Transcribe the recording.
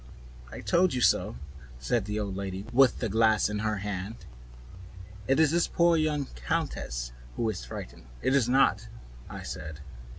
"I told you so," said the old lady, with the glass in her hand. "It is his poor young countess who was frightened " "It is not," I said.